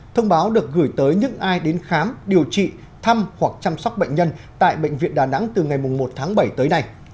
thông báo được gửi tới những ai đến khám điều trị thăm hoặc chăm sóc bệnh nhân tại bệnh viện đà nẵng từ ngày một tháng bảy tới nay